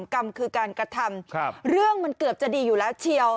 กรรมคือการกระทำเรื่องมันเกือบจะดีอยู่แล้วเชียว